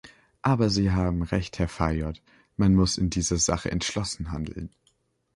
Aber Sie haben recht, Herr Fayot, man muss in dieser Sache entschlossen handeln.